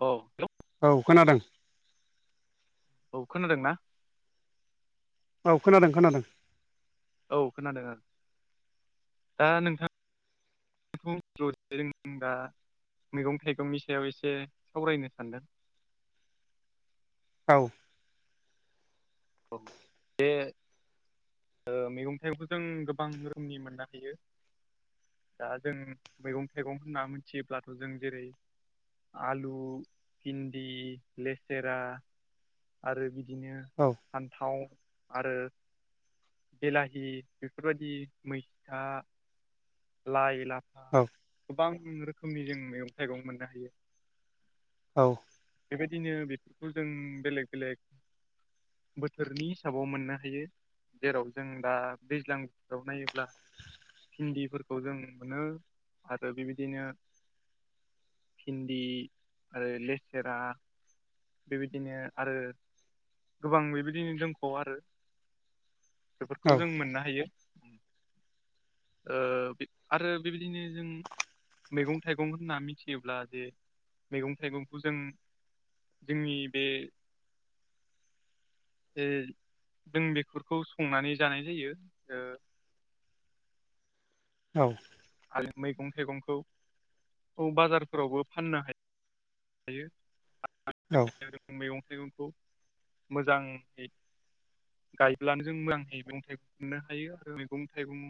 औ [unintelligible] औ खोनादों औ खोनादों ना औ खोनादों खोनादों औ खोनादों ओ दा नोंथां [unintelligible] जों दा मैगं थाइगंनि सायाव एसे सावरायनो सानदों औ [unintelligible] बे ओ मैगं थाइगं जों गोबां रोखोमनि मोननो हायो दा जों मैगं थाइगं होनना मिथियोब्लाथ' जों जेरै आलु भिन्दि लेसेरा आरो बिदिनो औ। फान्थाव आरो बिलाहि बेफोरबायदि मैथा लाइ लाफा गोबां रोखोमनि जों मैगं थाइगं मोननो हायो। औ। बेबायदिनो बेफोरखौ जों बेलेग बेलेग बोथोरनि हिसाबाव मोननो हायो। जेराव जों दा दैज्लां बोथोराव नायोब्ला भिन्दिफोर खौ जों मोनो आरो बेबायदिनो भिन्दि आरो लेसेरा बेबायदिनो आरो गोबां बेबायदिनो जोंख' आरो बेफोरखौ औ जों मोननो हायो ओ [unintelligible] आरो बेबायदिनो जों मेगं थाइगं होनना मिथियोब्ला जे मेगं थाइगंखौ जों जोंनि बे जे जों बेफोरखौ संनानै जानाय जायो ओ औ। आरो मैगं थाइगंखौ औ बाजारफोरावबो फाननो हायो हायो औ। मैगं थाइगंखौ मोजाङै गायब्लानो जों मोजाङै मैगं थाइगं मोननो हायो आरो मैगं थाइगं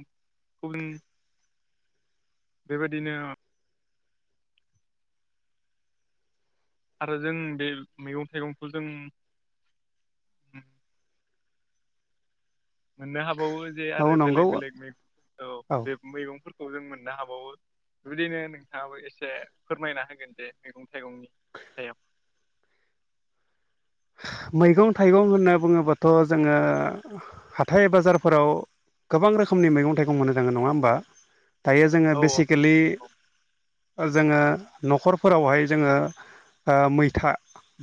बेबायदिनो आरो जों बे मैगं थाइगंखौ जों मोननो हाबावो जे औ आरो नंगौ बेलेग औ बेलेग मै औ बे मैगंफोरखौ जों मोननो हाबावो। बिदिनो नोंथाङाबो एसे फोरमायना होगोन जे मैगं थाइगंनि सायाव। मैगं थाइगं होनना बुङोबाथ' जोङो हाथाय बाजारफोराव गोबां रोखोमनि मैगं थाइगं होनो जाङोन नङा होमबा? दायो जोङो औ बेसिकेलि औ जोङो न'खरफोरावहाय जोङो ओ मैथा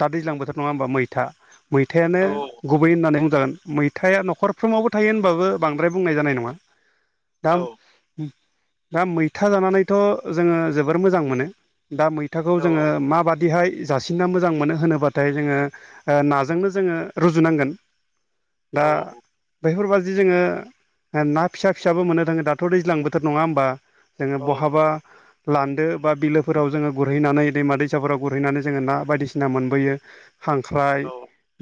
दा दैज्लां बोथोर नङा होमबा मै था मैथायानो औ गुबै होननानै बुंजागोन मै मैथाया न'खरफ्रोमावबो थायो होनबाबो बांद्राय बुंनाय जानाय नङा औ दाम दा मैथा जानानैथ' जोङो जोबोर मोजां मोनो। दा मैथाखौ औ जोङो माबादिहाय जासिनना मोजां मोनो होनोब्लाथाय जोङो नाजोंनो जोङो रुजुनांगोन दा औ बेफोरबादि जोङो ना फिसा फिसाबो मोननो थाङो दाथ' दैज्लां बोथोर नङा होमबा? जोङो औ बहाबा नंगौ लान्दो बा बिलोफोराव जोङो गुरहैनानै दैमा दैसाफोराव गुरहैनानै जोङो ना बायदिसिना मोनबोयो। खांख्राइ औ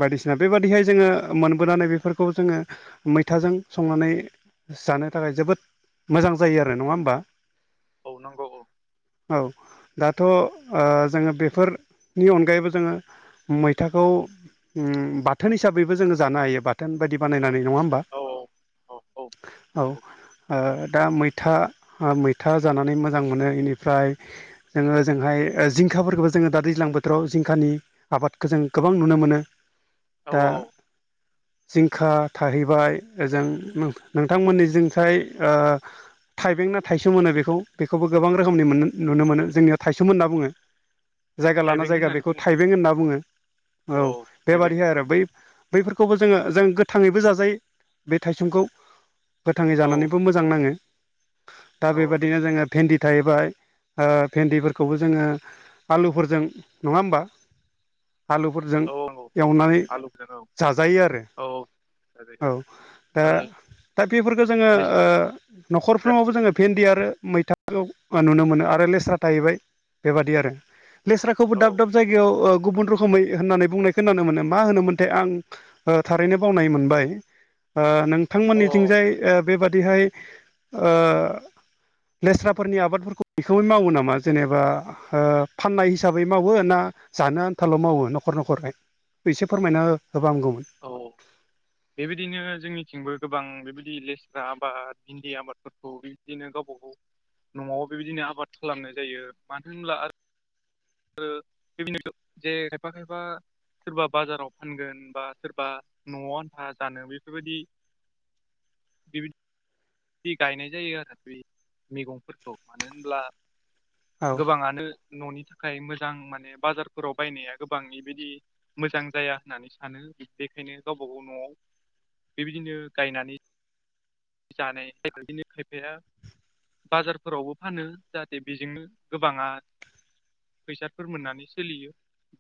बायदिसिना बेबाददिहाय जोङो मोनबोनानै बेफोरखौ जोङो मैथाजों संनानै जानो थाखाय जोबोद मोजां जायो आरो नङा होमबा? औ नंगौ औ। औ। दाथ' ओ जोङो बेफोरनि अनगायैबो जोङो मै फिथाखौ उम बाथोन हिसाबैबो जोङो जानो हायो बाथोन बायदि बानायनानै नङा होमबा? औ औ औ औ। औ। नंगौ ओ दा मैथा मैथा जानानै मोजां मोनो इनिफ्राय जोङो जोंहाय ओ जिंखाफोरखौबो जोङो दा दैज्लां बोथोराव जिंखानि आबाद जों गोबां नुनो मोनो औ दा जिंखा थाहैबाय ओजों नों नोंथांमोननिजोंहाय ओ थाइबें ना थाइसोम होनो बेखौ बेखौबो गोबां रोखोमनि मोनोन नुनो मोनो औ जोंनिया थाइसोम होनना बुङो जायगा थाइबें लाना जायगा होननानै बेखौ बुङो थाइबें होनना बुङो। औ थाइबें बेबादि औ आरो बै बैफोरखौबो जोङो जों गोथाङैबो जाजायो बे थाइसुमखौ गोथाङै औ जानानैबो मो मोजां नाङो दा औ बेबायदिनो जोङो भेन्दि थाहैबाय ओ भेन्दिफोरखौबो जोङो आलुफोरजों नङा होमबा आलुफोरजों औ नंगौ एवनानै आलुजों औ जाजायो आरो। औ औ जाजायो दा आरो दा बेफोरखौ जोङो ओ लेस्रा न'खरफ्रोमावबो जोङो भेन्दि आरो मैथाखौ नुनो मोनो आरो लेस्रा थाहैबाय बेबादि आरो। लेस्राखौबो औ दाब दाब जायगायाव ओ गुबुन रो रोखोमै होननानै बुंनाय खोनानो मोनो मा होनोमोनथाय आं थारैनो बावनाय मोनबाय ओ औ नोंथांमोननिथिंजाय बेबादिहाय ओ लेस्राफोरनि आबादफोरखौ बेखौबो मावो नामा जेनेबा ओ फाननाय हिसाबै मावो ना जानो आनथाल' मावो न'खर न'खरहाय एसे फोरमायना होबांगौमोन। औ। बेबायदिनो जोंनिथिंबो गोबां बेबायदि लेस्रा आबाद भन्दि आबादफोरखौ बिदिनो गावबा गाव न'आव बेबायदिनो आबाद खालामनाय जायो मानो होनब्ला आरो ओ [unintelligible] जे खायफा खायफा सोरबा बाजाराव फानगोन बा सोरबा न'आव आन्था जानो बेफोरबायदि [unintelligible] बे गायनाय जायो आरो बे मैगंफोरखौ मानो होनब्ला औ गोबाङानो न'नि थाखाय मोजां माने बाजारफोराव बायनाया गोबां इबायदि मोजां जाया होननानै सानो बेखायनो गावबा गाव न'आव बेबायदिनो गायनानै जानाय बेबायदिनो खायफाया बाजारफोरावबो फानो जाहाथे बेजोंनो गोबाङा फैसाफोर मोननानै सोलियो।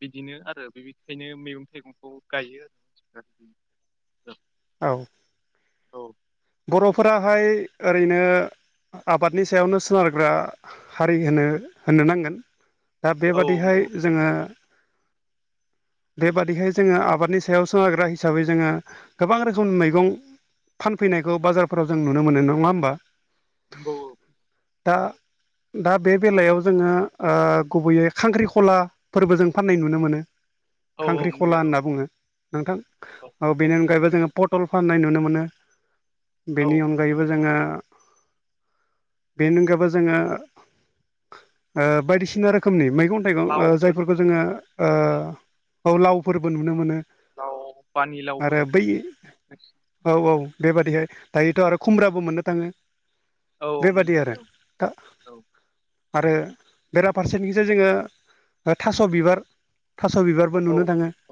बिदिनो आरो बेनिखायनो मैगं थाइगंखौ गायो आरो मानसिफोरा बिदिनो [inaudible] औ बर'फोराहाय ओरैनो आबादनि सायावनो सोनारग्रा हारि होनो होननो नांगोन। दा औ बेबादिहाय नंगौ जोङो बेबादिहाय जोङो आबादनि सायाव सोनग्रा हिसाबै जोङो गोबां रोखोम मैगं फैनायखौ बाजारफोराव जों नुनो मोनो नङा होमबा नोंगौ औ। दा दा बे बेलायाव जोङो ओ गुबैयै खांख्रिखला फोरबो जों फाननाय नुनो मोनो। औ औ खांख्रिखला नुयो होनना बुङो नोंथां औ बेनि अनगायैबो जोङो पटल फाननाय नुनो मोनो। औ बेनि अनगायैबो जोङो बेनिअनगाबो जोङो ओ बायदिसिना रोखोमनि मैगं थाइगं लावफोर जायफोरखौ जोङो ओ लावफोरबो नुनो मोनो। लाव पानिलावबो आरो होनो। बै औ औ बेबादिहाय दायोथ' आरो खुमब्राबो मोननो थाङो। औ मोनो बेबादि आरो औ दा औ आरो बेराफारसेनिजाय जोङो थास' बिबार थास' बिबार बो औ नुनो थाङो औ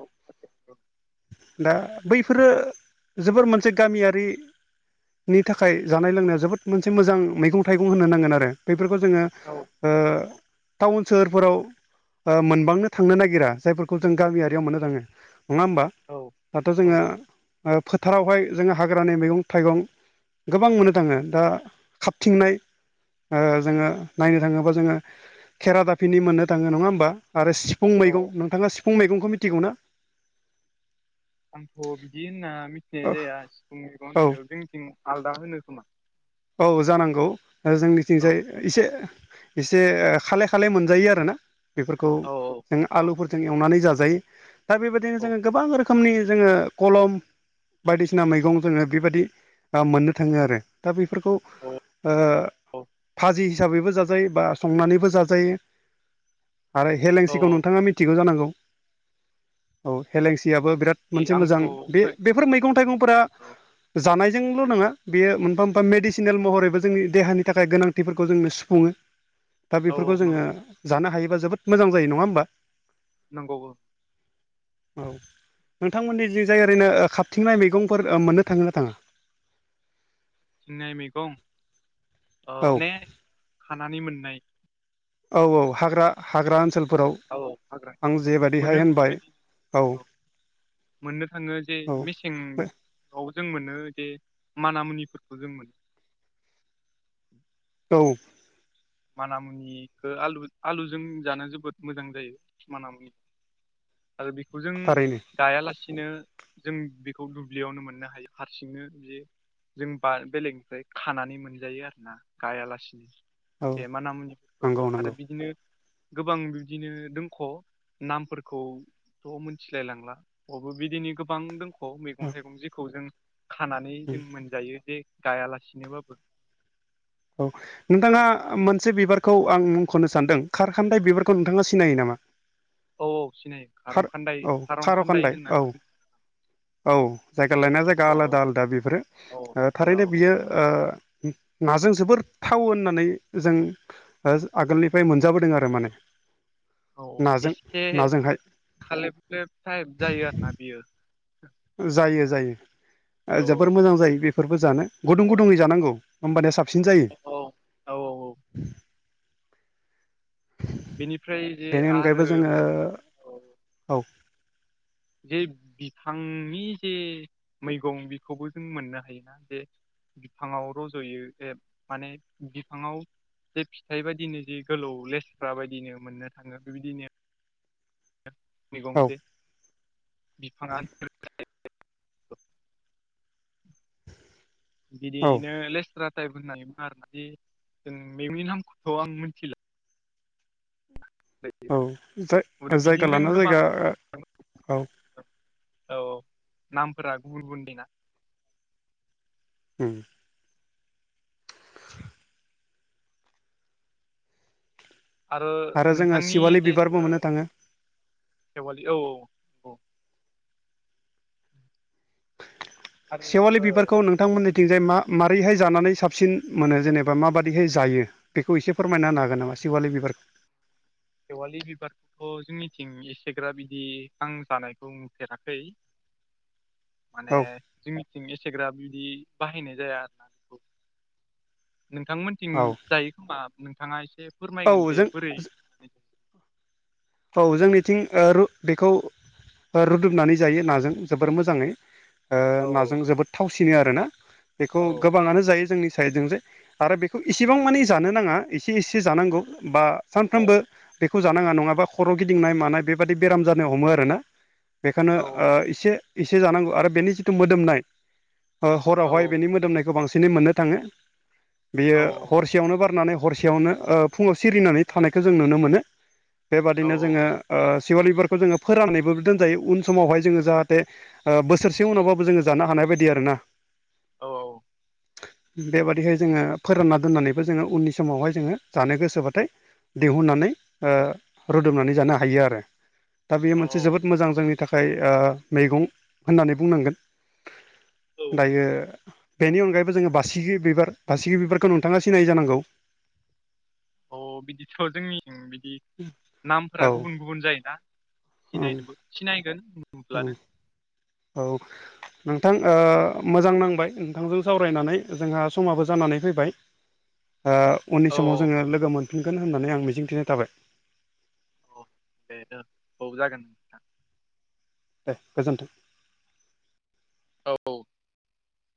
दा बैफोरो जोबोर मोनसे गामि बि नि थाखाय जानाय लोंनायाव जोबोद मोनसे मोजां मैगं थाइगं होनो नांगोन आरो बेफोरखौ जोङो औ ओ टाउन सोहोरफोराव ओ मोनबांनो थांनो नागिरा जायफोरखौ जों गामियारियाव मोननो थाङो नङा होमबा औ दाथ' जोङो औ फोथारावहाय जोंहा हाग्रानि मैगं थाइगं गोबां मोनो दङो दा खाबथिंनाय ओ जोङो नायनो थाङोबा जोङो खेरा दाफिनि मोननो थाङो नङा होमबा आरो फुं औ मैगं नोंथाङा सिफुं मैगंखौ मिथिगौना? आंथ' बिदि होनना मिथिनाय जाया सिफुं मैगं औ होननायखौ जोंथिं आलदा होनो खोमा। औ जानांगौ औ जोंनिथिंजाय एसे एसे खाले खाले मोनजायो आरोना बेफोरखौ औ जों औ आलुफोरजों एवनानै जाजायो दा बेबायदिनो औ जोङो गोबां रो खोमनि जोङो कलम बायदिसिना मैगं जोङो बेबायदि मोननो थाङो आरो फोरखौ ओ औ भाजि हिसाबैबो जाजायो बा संनानैबो जाजायो आरो औ हेलेंसिखौ नोंथाङा मिथिगौ जानांगौ। औ हेलेंसियाबो बिराद मोनसे आंथ' मोजां औ बे बेफोर मैगं थाइगंफोरा जानायजोंल' नङा बेयो मोनफा मेडिसिनेल महरैबो जोंनि देहानि थाखाय गोनांथिफोरखौ जोंनो सुफुङो दा औ बेफोरखौ जोङो नंगौ जानो हायोबा जोबोद मोजां जायो नङा होमबा। नंगौ उम नोंथांमोननि जि जाय ओरैनो खााबथिंनाय मैगंफोर मोननो थाङो ना थाङा सिंनाय मैगं औ माने खानानै मोननाय औ औ हाग्रा हाग्रा ओनसोलफोराव औ हाग्रा आं जेबादिहाय मोनो होनबाय बेबायदि औ मोननो थाङो जे औ मेसेंबोथोर औ जों मोनो बजे मान मुनिफोरखौ जों मोनो औ मानामुनिखौ आलु आलुजों जानो जोबोद मोजां जायो मानामुनि आरो बेखौ जों थारैनो गायालासिनो जों बेखौ दुब्लियावनो मोननो हायो हारसिंनो बे जों बा बेलेगनिफ्राय खानानै मोनजायो आरो ना गायालासिनो औ ए मानामुनिफोरखौ नंगौ आरो नंगौ बिदिनो गोबां बिदिनो दोंख' नामफोरखौथ' मिथिलाय लांला बबो बिदिनो गोबां दों खौ मैगं थाइगं जिखौ जों खानानै जों मोनजायो जे गायालासिनोबाबो औ नोंथाङा मोनसे बिबारखौ आं मुंख'नो सानदों खारखामथाय बिबारखौ नोंथाङा सिनायो नामा? [inaudible] औ औ सिनायो खारौ खार खन्दाय औ खारं खान्दाय खार'खान्दाय औ होननानै औ जायगा लायनाय जायगा औ औ आलादा आलादा बेफोरो औ ओ हेलौ थारैनो बियो ओ नाजों जोबोर थाव होननानै जों ओ आगोलनिफ्राय मोनजाबोदों आरो माने। औ नाजों एसे नाजोंहाय खालेब लेब थायेब जायो आरोना बियो जायो जायो ओ जोबोर औ मोजां जायो बेफोरबो जानो गुदुं औ गुदुङै जानांगौ होमबानिया साबसिन जायो। औ औ बेनिफ्राय जे बेनि अनगायैबो आरो जोङो औ जे बिफांनि जे मैगं बेखौबो जों मोननो हायोना जे बिफाङाव रज'यो ए माने बिफाङाव जे फिथाइ बायदिनो ज गोलौ लेसफ्रा बायदिनो मोननो थाङो बेबायदिनो मैगं औ [unintelligible] बिफाङा [unintelligible] औ बिदियैनो लेस्रा टाइप होननानै बुङो आरो ना बिदि जों मैगंनि नामखौथ' आं मिथिला औ ओमफाय जायगा बिदिनो जों लाना गोबां जायगा ओ औ औ औ नामफोरा गुबुन गुबुननि ना अम आरो जोङो नोंथांनि सेवालि जे बिबारबो ओ मोननो थाङो खेवालि औ औ नंगौ आरो सेवालि ओ बिबारखौ नों थांमोननिथिंजाय मा मारोरैहाय जानानै साबसिन मोनो जेनेबा माबादिहाय जायो बेखौ एसे फोरमायना होनो हागोन नामा सिवालि बिबारखौ खेवालि बिबारखौथ' जोंनिथिं एसेग्रा बिदि नां जानायखौ नुफेराखै [inaudible] माने जोंनिथिं एसेग्रा बिदि बाहायनाय जाया आरो ना। नोंथांमोनथिं औ जायो खोमा नोंथाङा एसे फोरमायगोन औ जे जों बोरै औ जोंनिथिं ओ रु बेखौ ओ रुदुमनानै जायो नाजों जोबोर मोजाङै ओ नाजों औ जोबोद थावसिनो आरो ना बेखौ औ गोबाङानो जायो जोंनि साइडजों जे आरो बेखौ इसेबां मानि जानो नाङा एसे एसे जानांगौ बा औ सानफ्रोमबो बेखौ जानाङा नङाबा खर' गिदिंनाय मानाय बेबायदि बेराम जानो हमो आरोना बेखौनो औ ओ एसे एसे जानांगौ आरो बेनि जिथु मोदोमनाय ओ औ हरावहाय बेनि मोदोमनायखौ बांसिनै मोननो थाङो बियो औ हर सेयावनो बारनानै हरसेयावनो ओ फुङाव सिरिनानै थानायखौ जों नुनो मोनो। औ बेबादिनो जोङो ओ सिवलिबारखौ जोङो फोराननानैबो दोनजायो उन समावहाय जोङो जाहाथे ओ बोरसे उनावबाबो जोङो जानो हानाय बायदि आरो ना। औ औ। [inaudible] बेबादिहाय जोङो फोरानना दोननानैबो जोङो उननि समावहाय जोङो जानो गोसोबाथाय दिहुननानै ओ रुदुबनानै जानो हायो आरो दा बेयो औ मोनसे जोबोद मोजां जोंनि थाखाय ओ मैगं होननानै बुंनांगोन औ दायो बेनि अनगायैबो जोङो बासिगिर बिबार बासिगिर बिबारखौ नोंथाङा सिनायो जानांगौ। अ बिदिथ' जोंनि बिदि नामफोरा औ गुबुन-गुबुन जायोना। सिनायनोबो सिनायगोन। अम नुब्लानो औ। नोंथां ओ मोजां नांबाय नोंथांजों सावरायनानै जोंहा समाबो जानानै फैबाय। ओ उननि औ औ समाव जोङो लोगो मोनफिनगोन होननानै आं मिजिंथिनाय थाबाय। अ दे जागोन औ जागोन। नोंथां दे गोजोन्थों। औ।